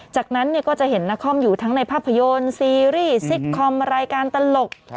จากนั้นก็จะเห็นนครอยู่ทั้งในภาพยนตร์ซีรีส์ซิกคอมรายการตลก